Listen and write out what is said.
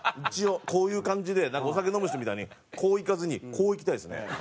一応こういう感じでなんかお酒飲む人みたいにこういかずにこういきたいですね。